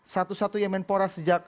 satu satunya menpora sejak